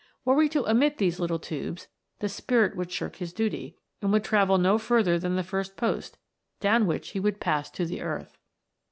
Were we to omit these little tubes, the Spirit would shirk his duty, and would travel no further than the first post, down which he would pass to the earth.